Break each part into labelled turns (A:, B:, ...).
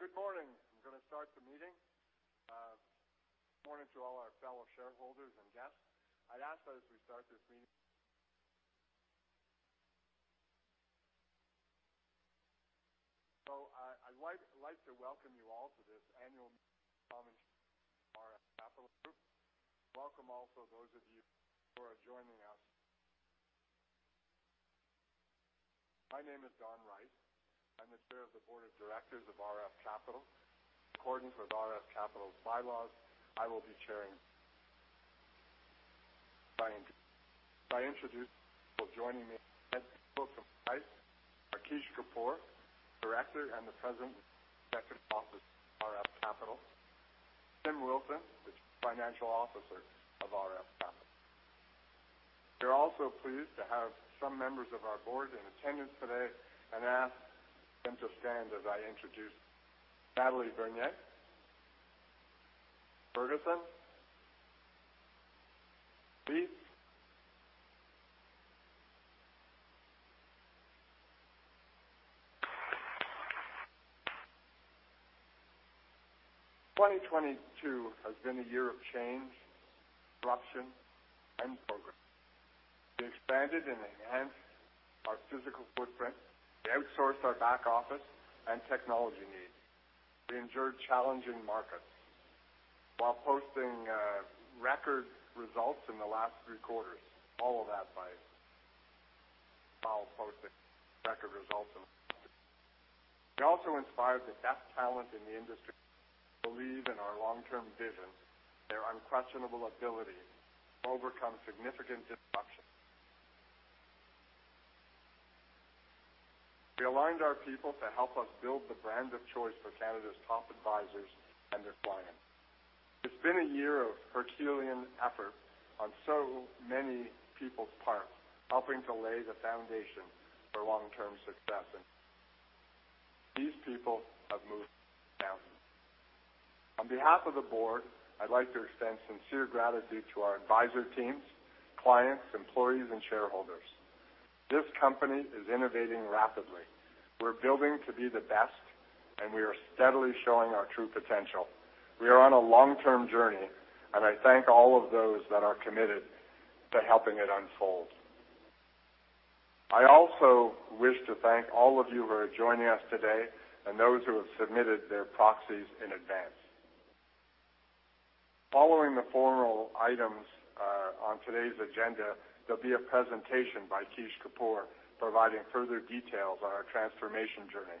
A: Good morning. I'm gonna start the meeting. Good morning to all our fellow shareholders and guests. I'd ask that as we start this meeting. I'd like to welcome you all to this annual meeting of common shareholders of RF Capital Group. Welcome also those of you who are joining us. My name is Don A. Wright. I'm the Chair of the Board of Directors of RF Capital. In accordance with RF Capital's bylaws, I will be chairing. If I introduce people joining me, Ed Kilburg Heise, Kish Kapoor, Director, and the President and Chief Executive Officer of RF Capital. Tim Wilson, the Chief Financial Officer of RF Capital. We are also pleased to have some members of our board in attendance today and ask them to stand as I introduce Natalie Bernier. Ferguson. Dietz. 2022 has been a year of change, disruption, and progress. We expanded and enhanced our physical footprint. We outsourced our back office and technology needs. We endured challenging markets while posting record results in the last three quarters. We also inspired the best talent in the industry who believe in our long-term vision, their unquestionable ability to overcome significant disruption. We aligned our people to help us build the brand of choice for Canada's top advisors and their clients. It's been a year of Herculean effort on so many people's parts, helping to lay the foundation for long-term success, and these people have moved mountains. On behalf of the board, I'd like to extend sincere gratitude to our advisor teams, clients, employees, and shareholders. This company is innovating rapidly. We're building to be the best, and we are steadily showing our true potential. We are on a long-term journey. I thank all of those that are committed to helping it unfold. I also wish to thank all of you who are joining us today and those who have submitted their proxies in advance. Following the formal items on today's agenda, there'll be a presentation by Kish Kapoor providing further details on our transformation journey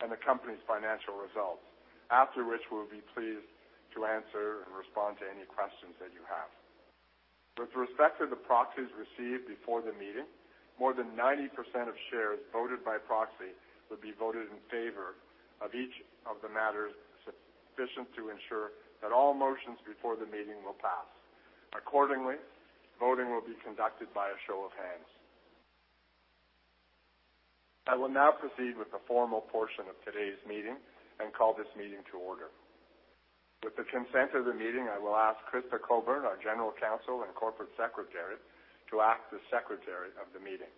A: and the company's financial results. After which, we'll be pleased to answer and respond to any questions that you have. With respect to the proxies received before the meeting, more than 90% of shares voted by proxy will be voted in favor of each of the matters sufficient to ensure that all motions before the meeting will pass. Accordingly, voting will be conducted by a show of hands. I will now proceed with the formal portion of today's meeting and call this meeting to order. With the consent of the meeting, I will ask Krista Coburn, our General Counsel and Corporate Secretary, to act as Secretary of the meeting.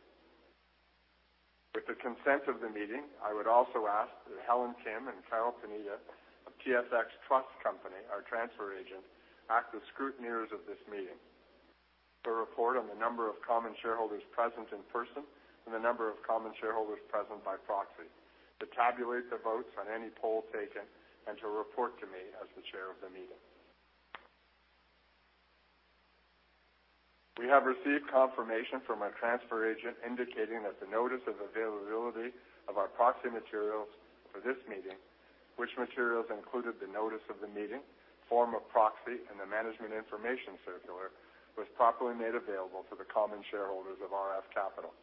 A: With the consent of the meeting, I would also ask that Helen Kim and Carol Pinilla of TSX Trust Company, our transfer agent, act as scrutineers of this meeting. To report on the number of common shareholders present in person and the number of common shareholders present by proxy, to tabulate the votes on any poll taken, and to report to me as the Chair of the meeting. We have received confirmation from our transfer agent indicating that the notice of availability of our proxy materials for this meeting, which materials included the notice of the meeting, form of proxy, and the management information circular, was properly made available to the common shareholders of RF Capital.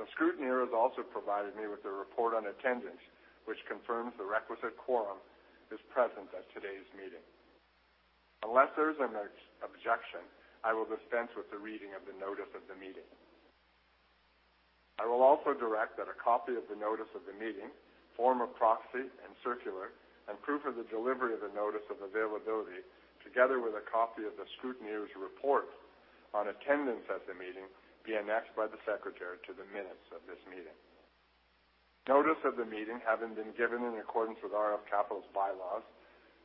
A: The scrutineers also provided me with a report on attendance, which confirms the requisite quorum is present at today's meeting. Unless there's an ex-objection, I will dispense with the reading of the notice of the meeting. I will also direct that a copy of the notice of the meeting, form of proxy, and circular, and proof of the delivery of the notice of availability, together with a copy of the scrutineers' report on attendance at the meeting, be annexed by the secretary to the minutes of this meeting. Notice of the meeting having been given in accordance with RF Capital's bylaws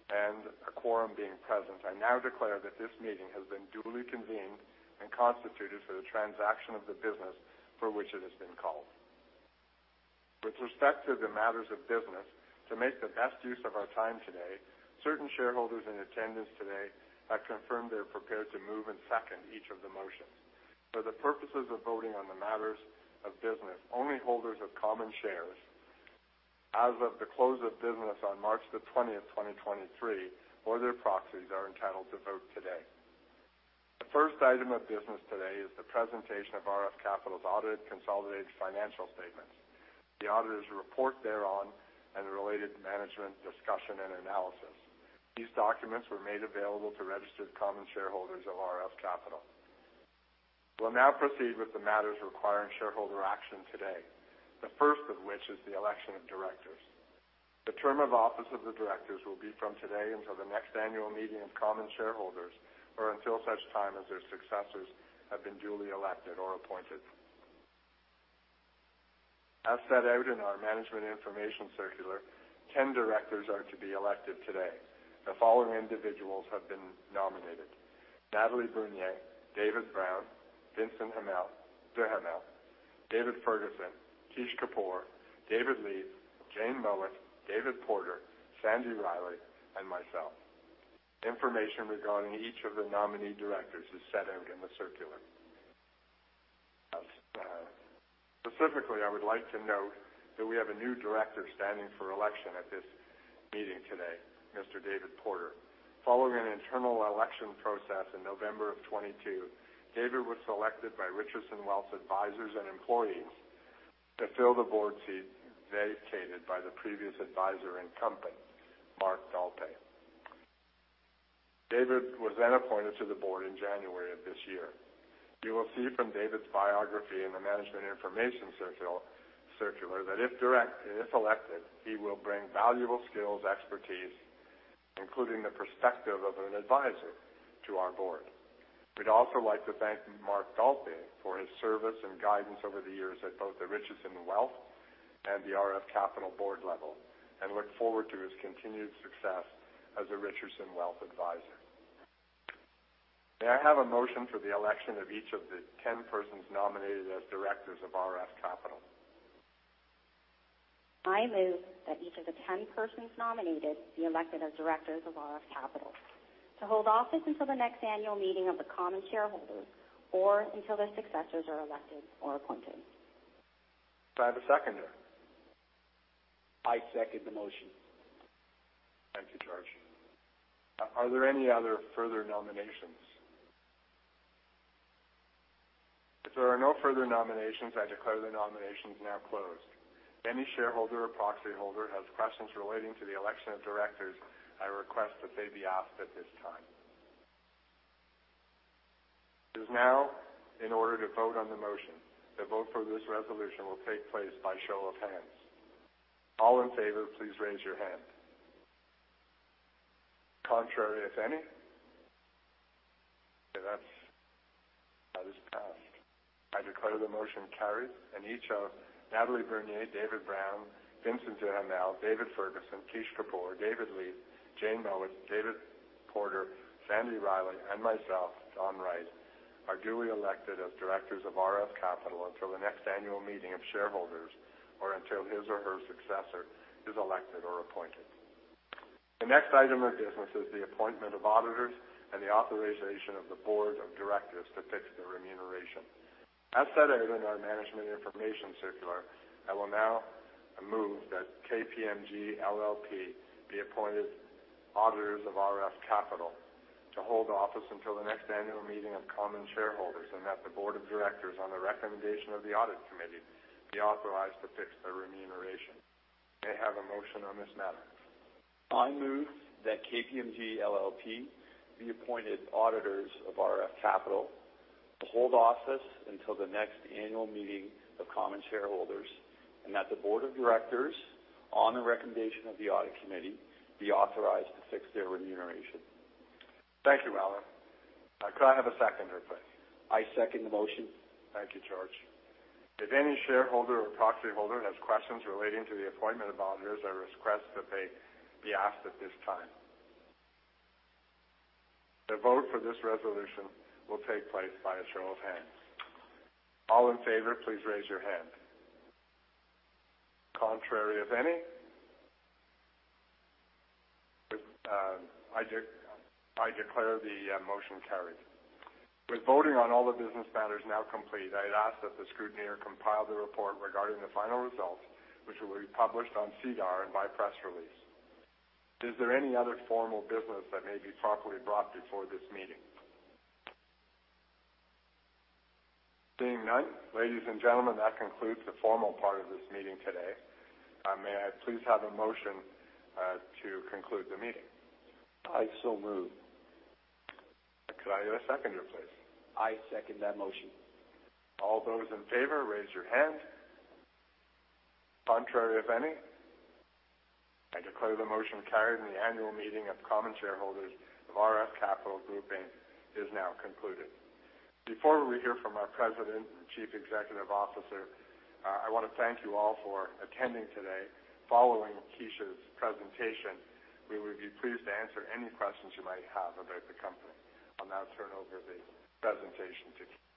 A: and a quorum being present, I now declare that this meeting has been duly convened and constituted for the transaction of the business for which it has been called. With respect to the matters of business, to make the best use of our time today, certain shareholders in attendance today have confirmed they're prepared to move and second each of the motions. For the purposes of voting on the matters of business, only holders of common shares as of the close of business on March the 20th, 2023, or their proxies, are entitled to vote today. The first item of business today is the presentation of RF Capital's audited consolidated financial statements, the auditor's report thereon, and the related management discussion and analysis. These documents were made available to registered common shareholders of RF Capital. We'll now proceed with the matters requiring shareholder action today, the first of which is the election of directors. The term of office of the directors will be from today until the next annual meeting of common shareholders or until such time as their successors have been duly elected or appointed. As set out in our management information circular, 10 directors are to be elected today. The following individuals have been nominated: Natalie Bernier, David Brown, Vincent Duhamel, David Ferguson, Kish Kapoor, David Leith, Jane Mowat, David Porter, Sandy Riley, and myself. Information regarding each of the nominee directors is set out in the circular. Specifically, I would like to note that we have a new director standing for election at this meeting today, Mr. David Porter. Following an internal election process in November of 2022, David was selected by Richardson Wealth advisors and employees to fill the board seat vacated by the previous advisor and company, Marc Dalpé. David was then appointed to the board in January of this year. You will see from David's biography in the management information circular that if elected, he will bring valuable skills, expertise, including the perspective of an advisor to our board. We'd also like to thank Marc Dalpé for his service and guidance over the years at both the Richardson Wealth and the RF Capital board level, and look forward to his continued success as a Richardson Wealth advisor. May I have a motion for the election of each of the 10 persons nominated as directors of RF Capital.
B: I move that each of the 10 persons nominated be elected as directors of RF Capital to hold office until the next annual meeting of the common shareholders or until their successors are elected or appointed.
A: Do I have a seconder?
C: I second the motion.
A: Thank you, George. Are there any other further nominations? If there are no further nominations, I declare the nominations now closed. If any shareholder or proxy holder has questions relating to the election of directors, I request that they be asked at this time. It is now in order to vote on the motion. The vote for this resolution will take place by show of hands. All in favor, please raise your hand. Contrary, if any. Okay, that is passed. I declare the motion carries, and each of Natalie Bernier, David Brown, Vincent Duhamel, David Ferguson, Kish Kapoor, David Leith, Jane Mowat, David Porter, Sandy Riley, and myself, Don Wright, are duly elected as directors of RF Capital until the next annual meeting of shareholders or until his or her successor is elected or appointed. The next item of business is the appointment of auditors and the authorization of the board of directors to fix their remuneration. As set out in our management information circular, I will now move that KPMG LLP be appointed auditors of RF Capital to hold office until the next annual meeting of common shareholders, and that the board of directors, on the recommendation of the audit committee, be authorized to fix their remuneration. May I have a motion on this matter?
D: I move that KPMG LLP be appointed auditors of RF Capital to hold office until the next annual meeting of common shareholders, and that the board of directors, on the recommendation of the audit committee, be authorized to fix their remuneration.
A: Thank you, Alan. Could I have a seconder, please?
E: I second the motion.
A: Thank you, George. If any shareholder or proxy holder has questions relating to the appointment of auditors, I request that they be asked at this time. The vote for this resolution will take place by a show of hands. All in favor, please raise your hand. Contrary, if any. I declare the motion carried. With voting on all the business matters now complete, I'd ask that the scrutineer compile the report regarding the final results, which will be published on SEDAR and by press release. Is there any other formal business that may be properly brought before this meeting? Seeing none, ladies and gentlemen, that concludes the formal part of this meeting today. May I please have a motion to conclude the meeting?
E: I so move.
A: Could I have a seconder, please?
C: I second that motion.
A: All those in favor, raise your hand. Contrary, if any. I declare the motion carried in the annual meeting of common shareholders of RF Capital Group Inc. is now concluded. Before we hear from our President and Chief Executive Officer, I wanna thank you all for attending today. Following Kish's presentation, we would be pleased to answer any questions you might have about the company. I'll now turn over the presentation to Kish.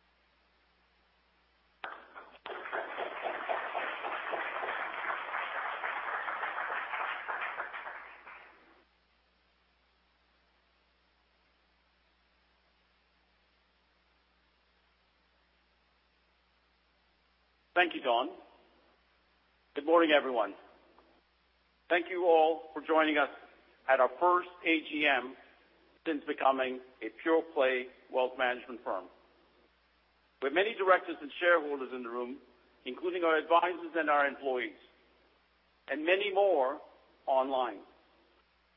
C: Thank you, Don. Good morning, everyone. Thank you all for joining us at our first AGM since becoming a pure play wealth management firm. We have many directors and shareholders in the room, including our advisors and our employees, and many more online.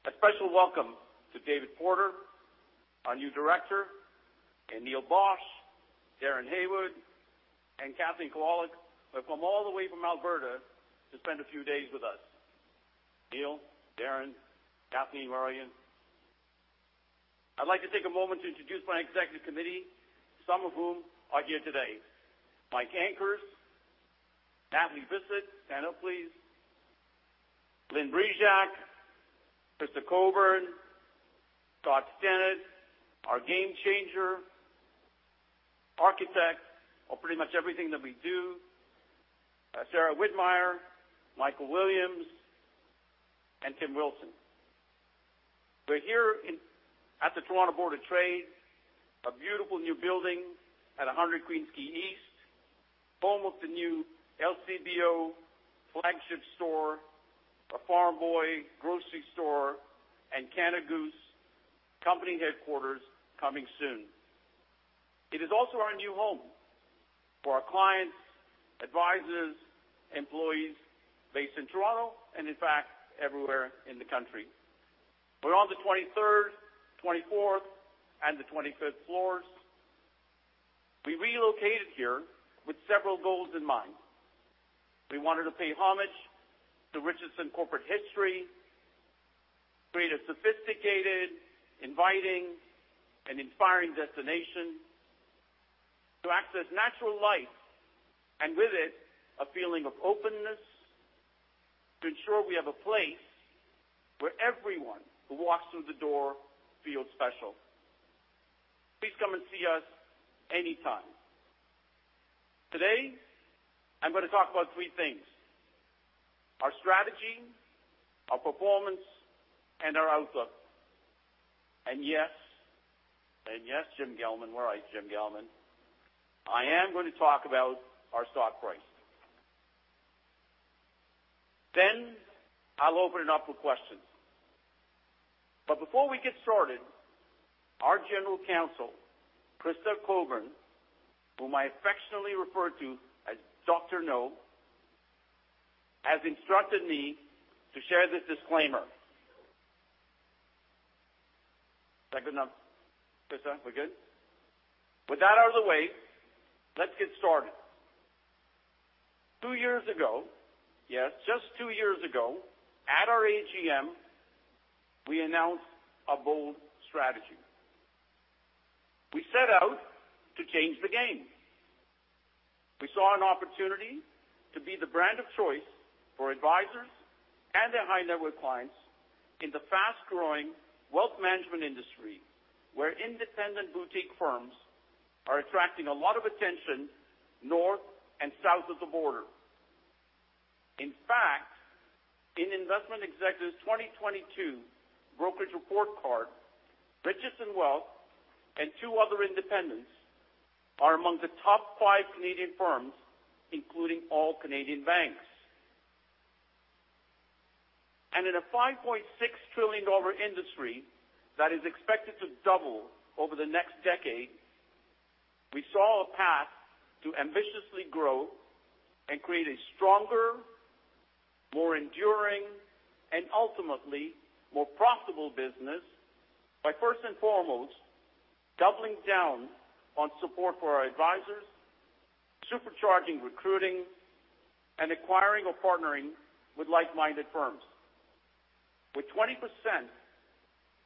C: A special welcome to David Porter, our new Director, and Neil Bosch, Darren Haywood, and Kathleen Kowalik, who have come all the way from Alberta to spend a few days with us. Neil, Darren, Kathleen, Marion. I'd like to take a moment to introduce my executive committee, some of whom are here today. Mike Ankers, Natalie Bisset, stand up, please. Lynne Brejak, Krista Coburn, Scott Stennett, our game changer, architect of pretty much everything that we do. Sarah Widmeyer, Michael Williams, and Tim Wilson. We're here at the Toronto Region Board of Trade, a beautiful new building at 100 Queens Quay East, home of the new LCBO flagship store, a Farm Boy grocery store, and Canada Goose company headquarters coming soon. It is also our new home for our clients, advisors, employees based in Toronto and, in fact, everywhere in the country. We're on the 23rd, 24th, and the 25th floors. We relocated here with several goals in mind. We wanted to pay homage to Richardson corporate history, create a sophisticated, inviting, and inspiring destination to access natural light, and with it, a feeling of openness to ensure we have a place where everyone who walks through the door feels special. Please come and see us anytime. Today, I'm gonna talk about three things: our strategy, our performance, and our outlook. Yes, Jim Gelman. Where are you, Jim Gelman? I am going to talk about our stock price. I'll open it up for questions. Before we get started, our General Counsel, Krista Coburn, whom I affectionately refer to as Dr. No, has instructed me to share this disclaimer. Did I get enough, Krista? We good? With that out of the way, let's get started. Two years ago, yes, just two years ago, at our AGM, we announced a bold strategy. We set out to change the game. We saw an opportunity to be the brand of choice for advisors and their high-net-worth clients in the fast-growing wealth management industry, where independent boutique firms are attracting a lot of attention north and south of the border. In fact, in Investment Executive's 2022 Brokerage Report Card, Richardson Wealth and two other independents are among the top five Canadian firms, including all Canadian banks. In a 5.6 trillion dollar industry that is expected to double over the next decade, we saw a path to ambitiously grow and create a stronger, more enduring, and ultimately more profitable business by, first and foremost, doubling down on support for our advisors, supercharging recruiting, and acquiring or partnering with like-minded firms. With 20%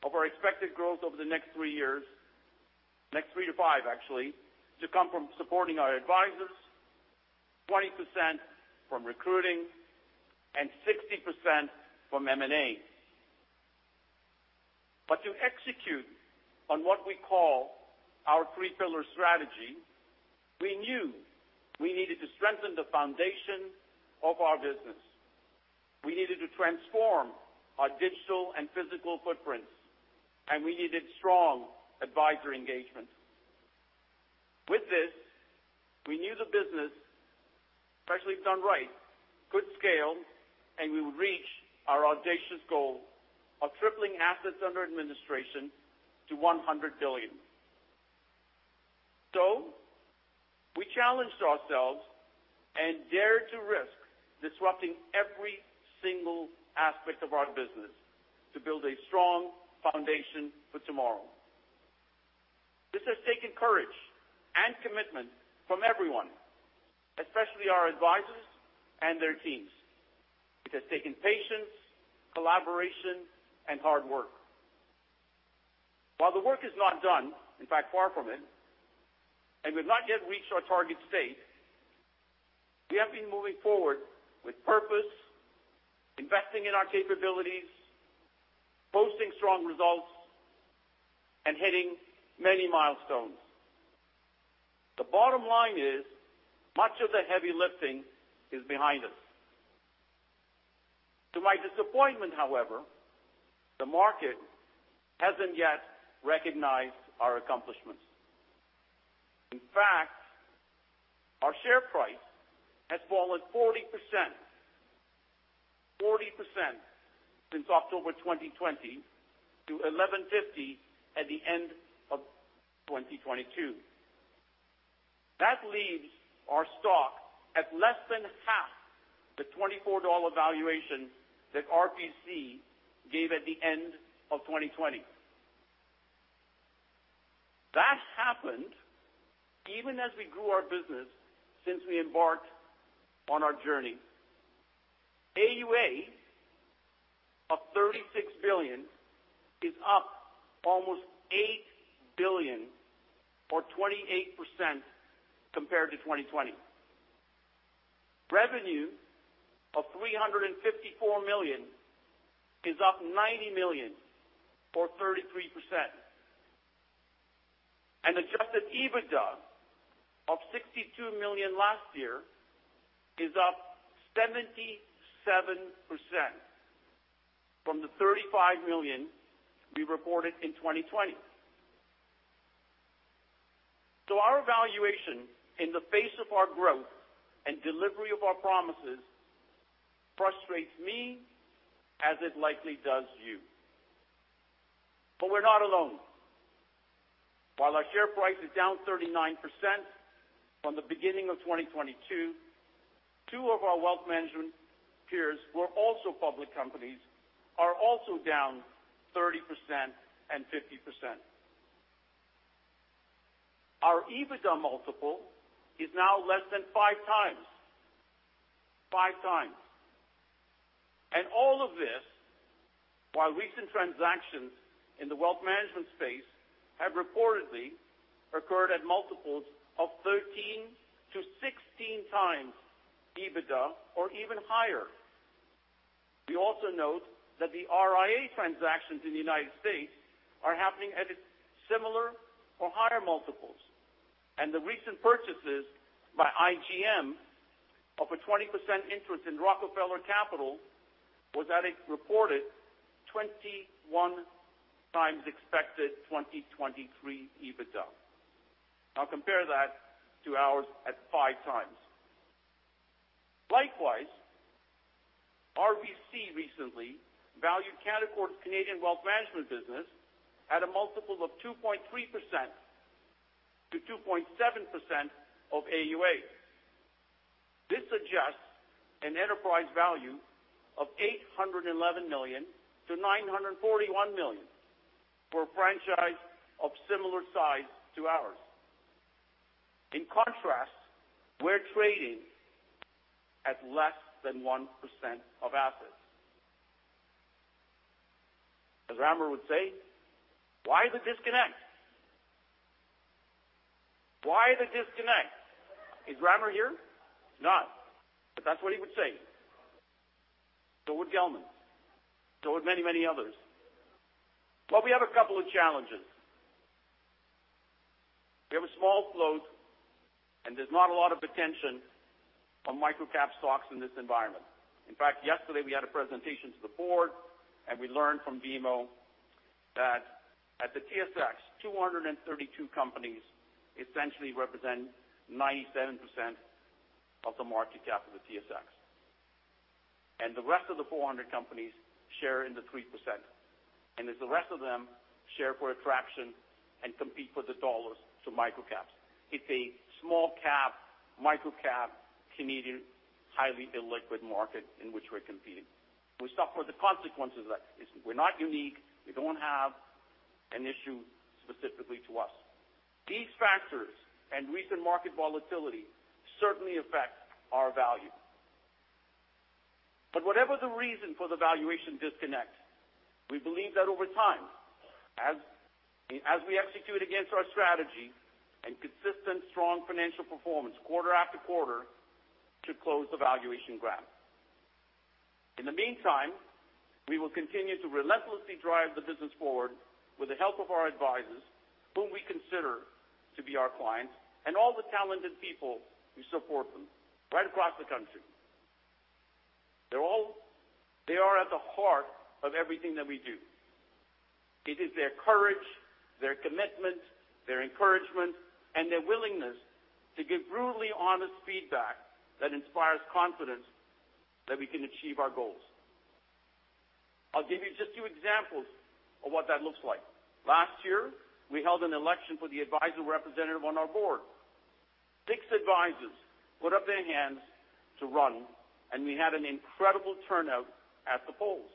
C: of our expected growth over the next three to five years, actually, to come from supporting our advisors, 20% from recruiting, and 60% from M&As. To execute on what we call our three-pillar strategy, we knew we needed to strengthen the foundation of our business. We needed to transform our digital and physical footprints, and we needed strong advisor engagement. With this, we knew the business, especially if done right, could scale, and we would reach our audacious goal of tripling assets under administration to 100 billion. We challenged ourselves and dared to risk disrupting every single aspect of our business to build a strong foundation for tomorrow. This has taken courage and commitment from everyone, especially our advisors and their teams. It has taken patience, collaboration, and hard work. While the work is not done, in fact, far from it, and we've not yet reached our target state, we have been moving forward with purpose, investing in our capabilities, posting strong results, and hitting many milestones. The bottom line is, much of the heavy lifting is behind us. To my disappointment, however, the market hasn't yet recognized our accomplishments. In fact, our share price has fallen 40%. 40% since October 2020 to 11.50 at the end of 2022. leaves our stock at less than half the 24 dollar valuation that RF Capital gave at the end of 2020. Happened even as we grew our business since we embarked on our journey. AUA of 36 billion is up almost 8 billion or 28% compared to 2020. Revenue of 354 million is up 90 million or 33%. adjusted EBITDA of 62 million last year is up 77% from the 35 million we reported in 2020. Our evaluation in the face of our growth and delivery of our promises frustrates me as it likely does you. We're not alone. While our share price is down 39% from the beginning of 2022, two of our wealth management peers who are also public companies are also down 30% and 50%. Our EBITDA multiple is now less than 5 times. 5 times. All of this while recent transactions in the wealth management space have reportedly occurred at multiples of 13x-16x EBITDA or even higher. We also note that the RIA transactions in the United States are happening at similar or higher multiples. The recent purchases by IGM of a 20% interest in Rockefeller Capital was at a reported 21x expected 2023 EBITDA. Compare that to ours at 5x. Likewise, RBC recently valued Canaccord's Canadian Wealth Management business at a multiple of 2.3%-2.7% of AUA. This suggests an enterprise value of 811 million-941 million for a franchise of similar size to ours. In contrast, we're trading at less than 1% of assets. As Ramr would say, "Why the disconnect? Why the disconnect?" Is Ramr here? He's not. That's what he would say. Would Gelman. Would many, many others. We have a couple of challenges. We have a small float, there's not a lot of attention on microcap stocks in this environment. In fact, yesterday we had a presentation to the board, we learned from BMO that at the TSX, 232 companies essentially represent 97% of the market cap of the TSX. The rest of the 400 companies share in the 3%. As the rest of them share for attraction and compete for the Canadian dollars to microcaps, it's a small cap, microcap, Canadian, highly illiquid market in which we're competing. We suffer the consequences of that. We're not unique. We don't have an issue specifically to us. These factors and recent market volatility certainly affect our value. Whatever the reason for the valuation disconnect, we believe that over time, as we execute against our strategy and consistent strong financial performance quarter after quarter to close the valuation ground. In the meantime, we will continue to relentlessly drive the business forward with the help of our advisors, whom we consider to be our clients, and all the talented people who support them right across the country. They are at the heart of everything that we do. It is their courage, their commitment, their encouragement, and their willingness to give brutally honest feedback that inspires confidence that we can achieve our goals. I'll give you just two examples of what that looks like. Last year, we held an election for the advisor representative on our board. We had an incredible turnout at the polls.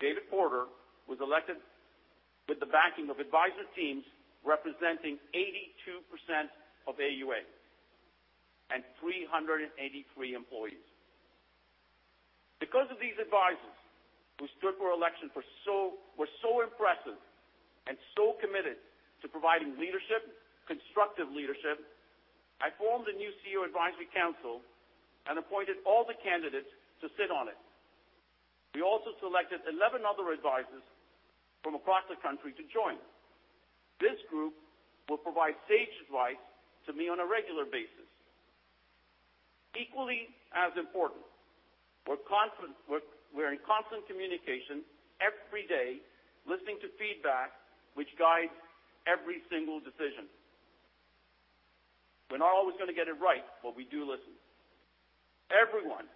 C: David Porter was elected with the backing of advisor teams representing 82% of AUA and 383 employees. Because of these advisors who stood for election were so impressive and so committed to providing leadership, constructive leadership, I formed a new CEO Advisory Council and appointed all the candidates to sit on it. We also selected 11 other advisors from across the country to join. This group will provide sage advice to me on a regular basis. Equally as important, we're in constant communication every day, listening to feedback, which guides every single decision. We're not always gonna get it right, but we do listen. Everyone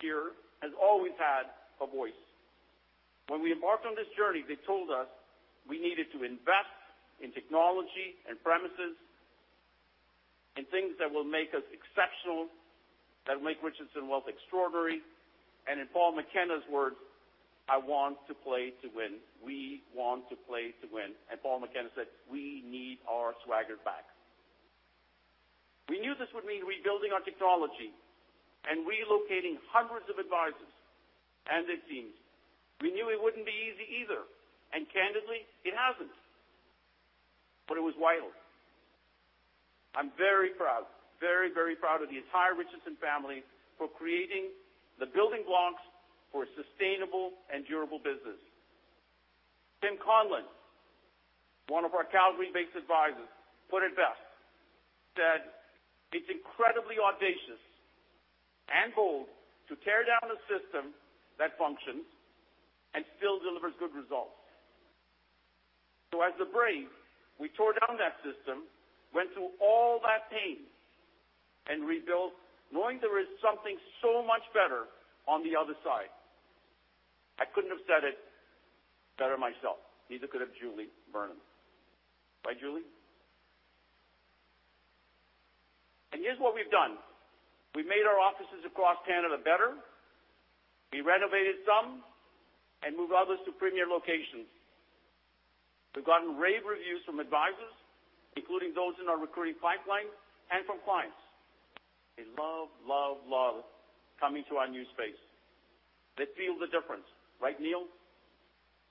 C: here has always had a voice. When we embarked on this journey, they told us we needed to invest in technology and premises. Things that will make us exceptional, that will make Richardson Wealth extraordinary. In Paul McKenna's words, "I want to play to win." We want to play to win. Paul McKenna said, "We need our swagger back." We knew this would mean rebuilding our technology and relocating hundreds of advisors and their teams. We knew it wouldn't be easy either, and candidly, it hasn't. It was vital. I'm very proud of the entire Richardson family for creating the building blocks for a sustainable and durable business. Tim Conlon, one of our Calgary-based advisors, put it best. He said, "It's incredibly audacious and bold to tear down a system that functions and still delivers good results." As the brave, we tore down that system, went through all that pain, and rebuilt, knowing there is something so much better on the other side. I couldn't have said it better myself, neither could have Julie Burnham. Right, Julie? Here's what we've done. We made our offices across Canada better. We renovated some and moved others to premier locations. We've gotten rave reviews from advisors, including those in our recruiting pipeline and from clients. They love, love coming to our new space. They feel the difference. Right, Neil?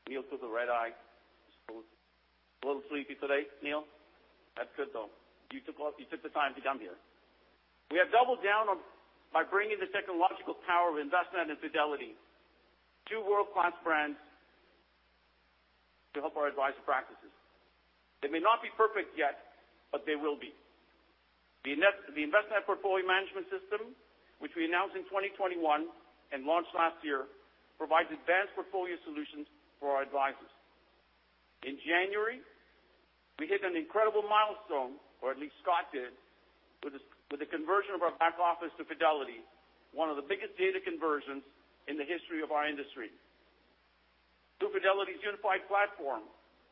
C: Neil took a red eye. A little sleepy today, Neil. That's good, though. You took the time to come here. We have doubled down on by bringing the technological power of Envestnet and Fidelity, two world-class friends, to help our advisor practices. They may not be perfect yet, but they will be. The Investment Portfolio Management System, which we announced in 2021 and launched last year, provides advanced portfolio solutions for our advisors. In January, we hit an incredible milestone, or at least Scott did, with the conversion of our back office to Fidelity, one of the biggest data conversions in the history of our industry. Through Fidelity's unified platform,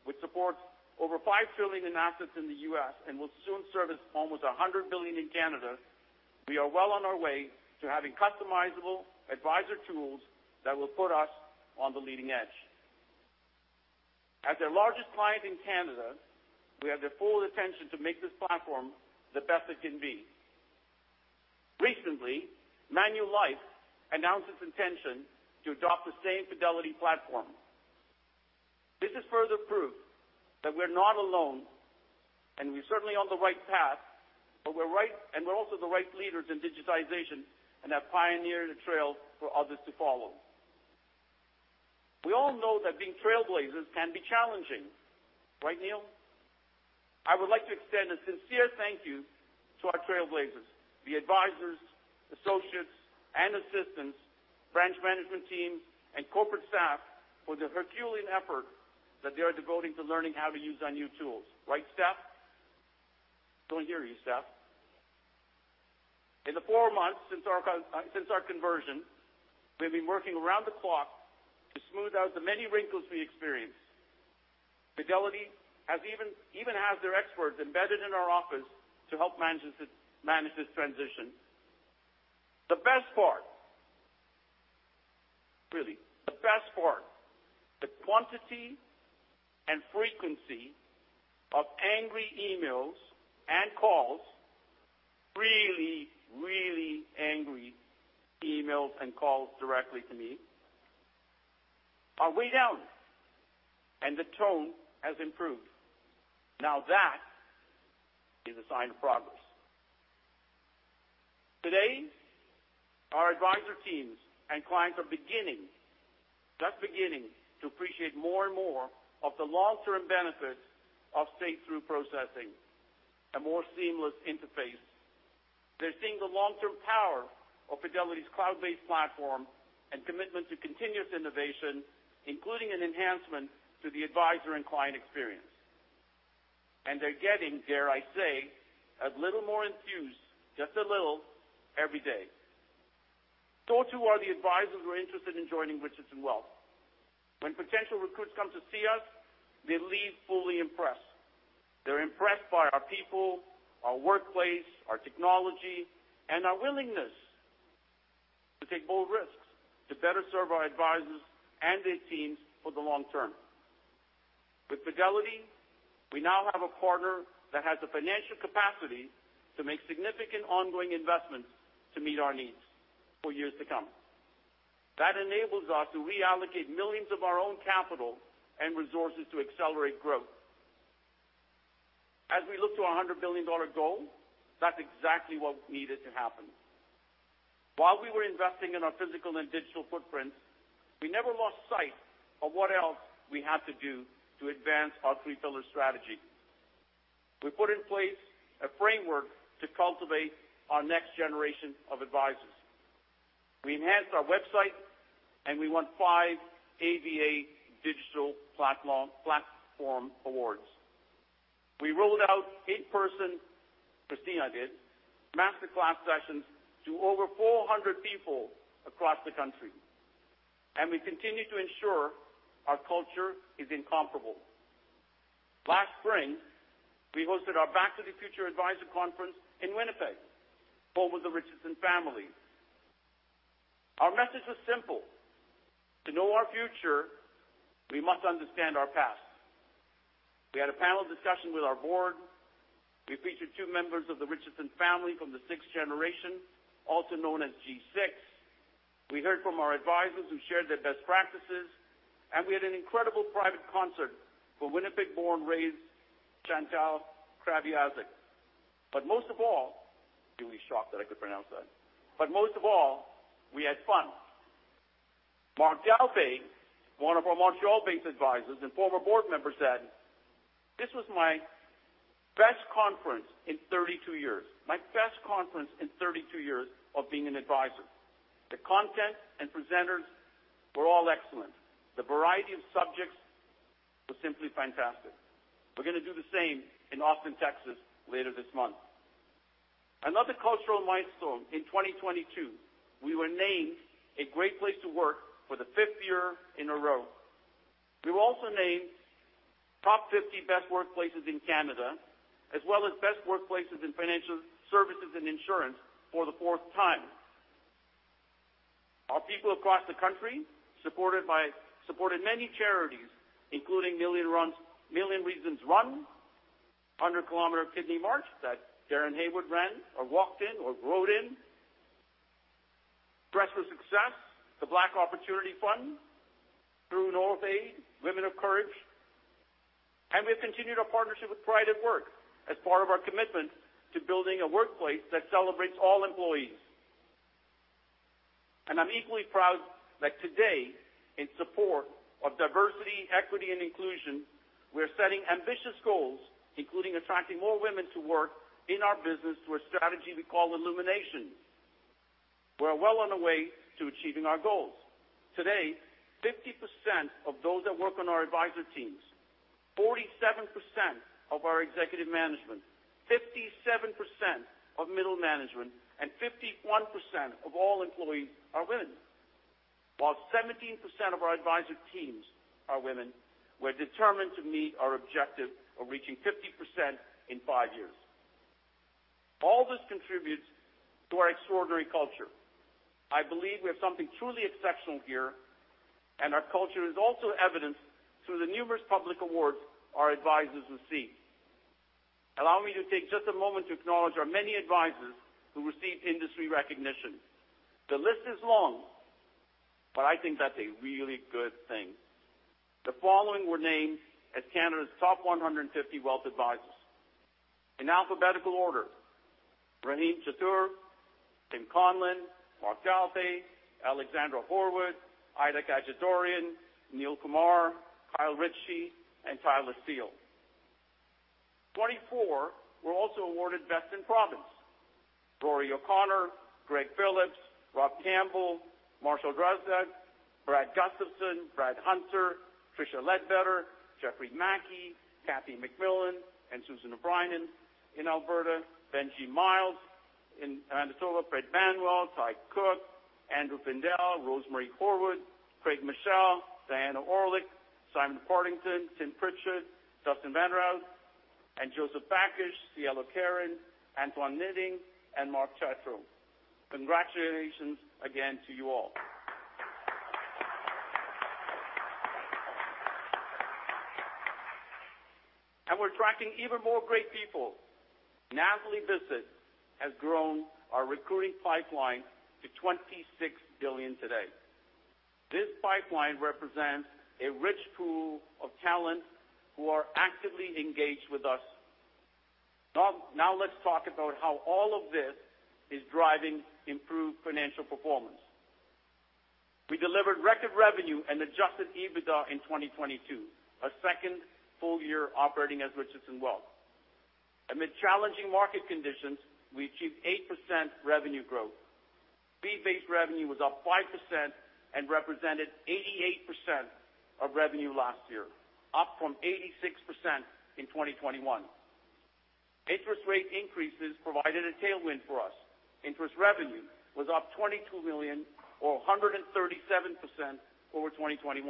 C: which supports over $5 billion in assets in the U.S. and will soon service almost 100 billion in Canada, we are well on our way to having customizable advisor tools that will put us on the leading edge. As their largest client in Canada, we have their full attention to make this platform the best it can be. Recently, Manulife announced its intention to adopt the same Fidelity platform. This is further proof that we're not alone, and we're certainly on the right path, we're also the right leaders in digitization and have pioneered a trail for others to follow. We all know that being trailblazers can be challenging, right, Neil? I would like to extend a sincere thank you to our trailblazers, the advisors, associates and assistants, branch management teams, and corporate staff for the herculean effort that they are devoting to learning how to use our new tools. Right, Steph? Don't hear you, Steph. In the four months since our conversion, we've been working around the clock to smooth out the many wrinkles we experience. Fidelity even has their experts embedded in our office to help manage this transition. The best part, really, the best part, the quantity and frequency of angry emails and calls, really angry emails and calls directly to me are way down, the tone has improved. That is a sign of progress. Today, our advisor teams and clients are just beginning to appreciate more and more of the long-term benefits of safe through processing, a more seamless interface. They're seeing the long-term power of Fidelity's cloud-based platform and commitment to continuous innovation, including an enhancement to the advisor and client experience. They're getting, dare I say, a little more enthused, just a little every day. Too are the advisors who are interested in joining Richardson Wealth. When potential recruits come to see us, they leave fully impressed. They're impressed by our people, our workplace, our technology, and our willingness to take bold risks to better serve our advisors and their teams for the long term. With Fidelity, we now have a partner that has the financial capacity to make significant ongoing investments to meet our needs for years to come. That enables us to reallocate millions of CAD of our own capital and resources to accelerate growth. As we look to our 100 billion dollar goal, that's exactly what we needed to happen. While we were investing in our physical and digital footprints, we never lost sight of what else we had to do to advance our three-pillar strategy. We put in place a framework to cultivate our next generation of advisors. We enhanced our website, we won five ABA Digital Platform Awards. We rolled out 8-person, Christina did, master class sessions to over 400 people across the country. We continue to ensure our culture is incomparable. Last spring, we hosted our Back to the Future advisor conference in Winnipeg home with the Richardson family. Our message was simple: to know our future, we must understand our past. We had a panel discussion with our board. We featured two members of the Richardson family from the 6th generation, also known as G6. We heard from our advisors who shared their best practices, and we had an incredible private concert for Winnipeg born and raised Chantal Kreviazuk. Most of all, you'll be shocked that I could pronounce that. Most of all, we had fun. Mark Jalbert, one of our Montreal-based advisors and former board member, said, "This was my best conference in 32 years, my best conference in 32 years of being an advisor. The content and presenters were all excellent. The variety of subjects was simply fantastic." We're gonna do the same in Austin, Texas later this month. Another cultural milestone in 2022, we were named a Great Place to Work for the fifth year in a row. We were also named top 50 best workplaces in Canada, as well as best workplaces in financial services and insurance for the fourth time. Our people across the country, supported many charities, including The Million Reasons Run, 100 Km Kidney March that Darren Haywood ran or walked in or rode in. Dress for Success, the Black Opportunity Fund through North Aid, Women of Courage. We've continued our partnership with Pride at Work as part of our commitment to building a workplace that celebrates all employees. I'm equally proud that today, in support of diversity, equity, and inclusion, we're setting ambitious goals, including attracting more women to work in our business through a strategy we call Illumination. We're well on the way to achieving our goals. Today, 50% of those that work on our advisor teams, 47% of our executive management, 57% of middle management, and 51% of all employees are women. While 17% of our advisor teams are women, we're determined to meet our objective of reaching 50% in five years. All this contributes to our extraordinary culture. I believe we have something truly exceptional here, and our culture is also evidenced through the numerous public awards our advisors receive. Allow me to take just a moment to acknowledge our many advisors who received industry recognition. The list is long, but I think that's a really good thing. The following were named as Canada's top 150 wealth advisors. In alphabetical order, Rahim Chatur, Tim Conlin, Mark Jalbert, Alexandra Horwood, Ida Khajadourian, Neil Kumar, Kyle Richie, and Tyler Steele. 24 were also awarded Best in Province. Rory O'Connor, Greg Phillips, Rob Campbell, Marshall Drozdiak, Brad Gustafson, Brad Hunter, Tricia Ledbetter, Jeffrey Mackie, Kathy McMillan, and Susan O'Brien in Alberta. Benji Miles in Manitoba. Fred Manuel, Ty Cook, Andrew Findel, RoseMarie Horwood, Craig Michelle, Diana Orlik, Simon Partington, Tim Pritchard, Dustin Van Rys, Joseph Bakish, Cielo Carin, Antoine Niding, and Marc Tétreault. Congratulations again to you all. We're attracting even more great people. Nathalie Bissonnette has grown our recruiting pipeline to 26 billion today. This pipeline represents a rich pool of talent who are actively engaged with us. Let's talk about how all of this is driving improved financial performance. We delivered record revenue and adjusted EBITDA in 2022, our second full year operating as Richardson Wealth. Amid challenging market conditions, we achieved 8% revenue growth. Fee-based revenue was up 5% and represented 88% of revenue last year, up from 86% in 2021. Interest rate increases provided a tailwind for us. Interest revenue was up 22 million or 137% over 2021.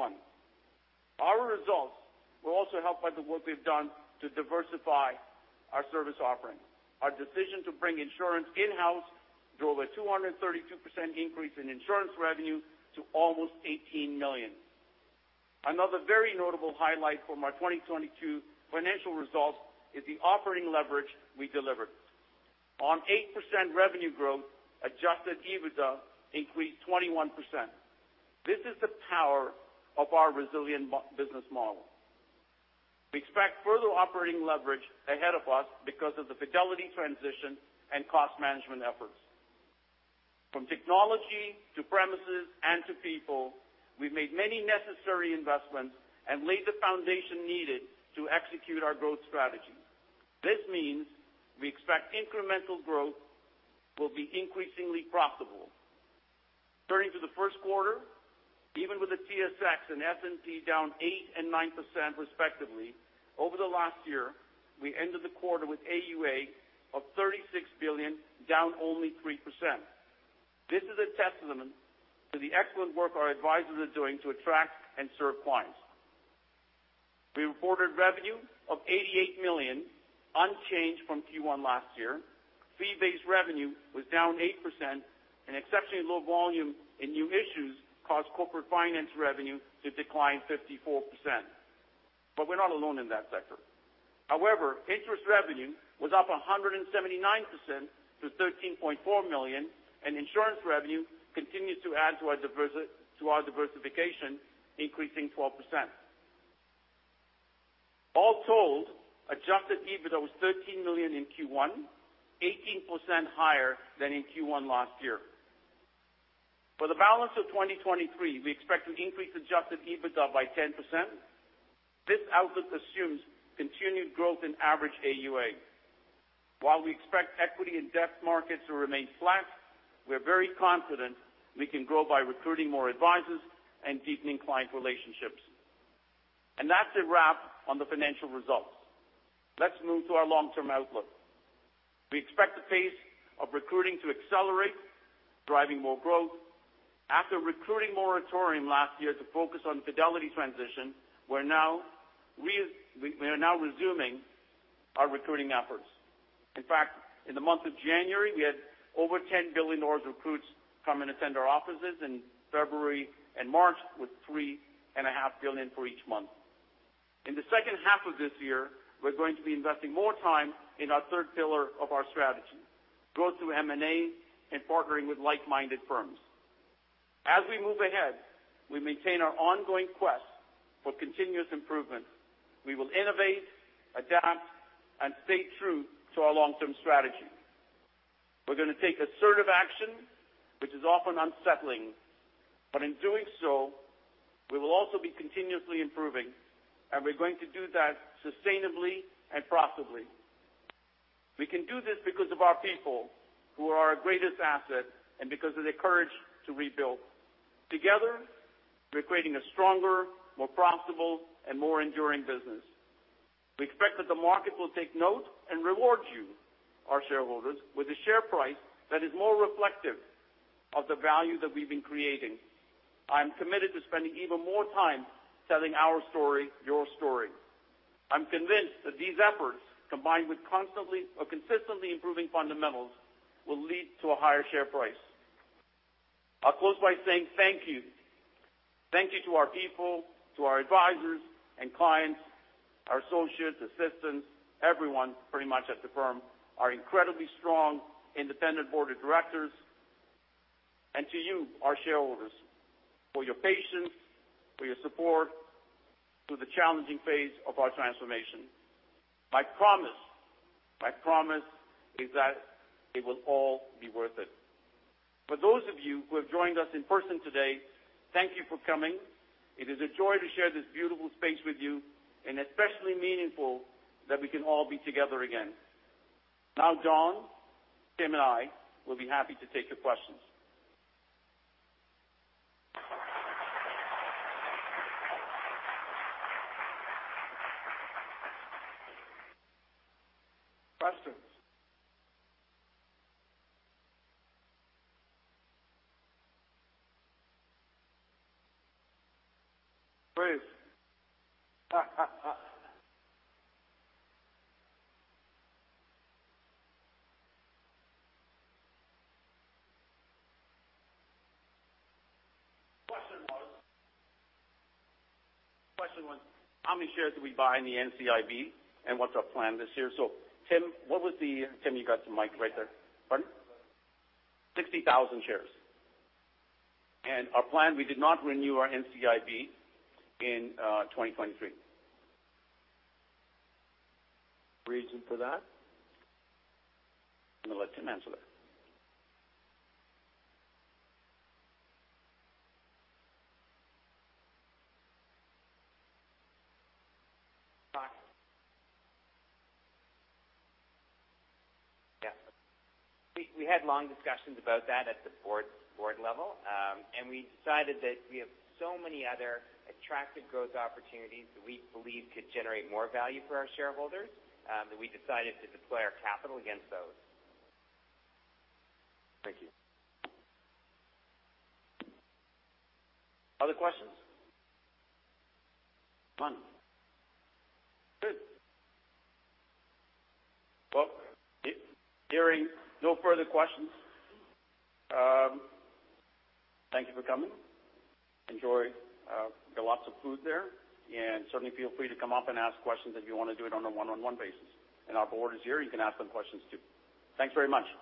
C: Our results were also helped by the work we've done to diversify our service offerings. Our decision to bring insurance in-house drove a 232% increase in insurance revenue to almost 18 million. Another very notable highlight from our 2022 financial results is the operating leverage we delivered. On 8% revenue growth, adjusted EBITDA increased 21%. This is the power of our resilient business model. We expect further operating leverage ahead of us because of the Fidelity transition and cost management efforts. From technology to premises and to people, we've made many necessary investments and laid the foundation needed to execute our growth strategy. This means we expect incremental growth will be increasingly profitable. Turning to the first quarter, even with the TSX and S&P down 8% and 9% respectively over the last year. We ended the quarter with AUA of 36 billion, down only 3%. This is a testament to the excellent work our advisors are doing to attract and serve clients. We reported revenue of 88 million, unchanged from Q1 last year. Fee-based revenue was down 8%, exceptionally low volume in new issues caused corporate finance revenue to decline 54%. We're not alone in that sector. However, interest revenue was up 179% to 13.4 million, insurance revenue continues to add to our diversification, increasing 12%. All told, adjusted EBITDA was 13 million in Q1, 18% higher than in Q1 last year. For the balance of 2023, we expect to increase adjusted EBITDA by 10%. This outlook assumes continued growth in average AUA. While we expect equity and debt markets to remain flat, we're very confident we can grow by recruiting more advisors and deepening client relationships. That's a wrap on the financial results. Let's move to our long-term outlook. We expect the pace of recruiting to accelerate, driving more growth. After recruiting moratorium last year to focus on Fidelity transition, we are now resuming our recruiting efforts. In fact, in the month of January, we had over 10 billion dollars recruits come and attend our offices, in February and March with three and a half billion for each month. In the second half of this year, we're going to be investing more time in our third pillar of our strategy, growth through M&A and partnering with like-minded firms. As we move ahead, we maintain our ongoing quest for continuous improvement. We will innovate, adapt, and stay true to our long-term strategy. We're gonna take assertive action, which is often unsettling. In doing so, we will also be continuously improving, and we're going to do that sustainably and profitably. We can do this because of our people, who are our greatest asset, and because of the courage to rebuild. Together, we're creating a stronger, more profitable, and more enduring business. We expect that the market will take note and reward you, our shareholders, with a share price that is more reflective of the value that we've been creating. I'm committed to spending even more time telling our story, your story. I'm convinced that these efforts, combined with constantly or consistently improving fundamentals, will lead to a higher share price. I'll close by saying thank you. Thank you to our people, to our advisors and clients, our associates, assistants, everyone pretty much at the firm, our incredibly strong independent board of directors, and to you, our shareholders, for your patience, for your support through the challenging phase of our transformation. My promise is that it will all be worth it. For those of you who have joined us in person today, thank you for coming. It is a joy to share this beautiful space with you and especially meaningful that we can all be together again. Don, Tim, and I will be happy to take your questions. Questions. Please. Question was, how many shares do we buy in the NCIB, and what's our plan this year? Tim, you got some mic right there. Pardon? 60,000 shares. And our plan, we did not renew our NCIB in 2023. Reason for that? I'm gonna let Tim answer that.
F: Yeah. We had long discussions about that at the board level. We decided that we have so many other attractive growth opportunities that we believe could generate more value for our shareholders, that we decided to deploy our capital against those.
C: Thank you. Other questions? Come on. Good. Well, hearing no further questions, thank you for coming. Enjoy. We got lots of food there, and certainly feel free to come up and ask questions if you wanna do it on a one-on-one basis. Our board is here, you can ask them questions, too. Thanks very much.